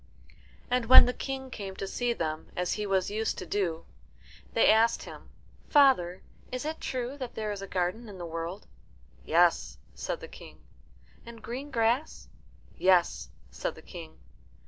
And when the King came to see them, as he was used to do, they asked him, "Father, is it true that there is a garden in the world?" "Yes," said the King. "And green grass?" "Yes," said the King.